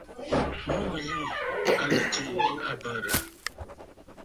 Mû wilì à nɨ tsiʼ ì àbə̀rə̀.